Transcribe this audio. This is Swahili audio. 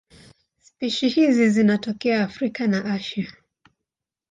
Spishi hizi zinatokea Afrika na Asia.